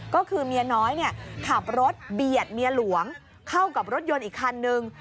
ก็คือเมียน้อยขับรถเบียดเมียหลวงเข้ากับรถยนต์อีกคันนึง